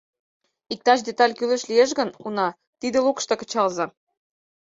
— Иктаж деталь кӱлеш лиеш гын, уна, тиде лукышто кычалза.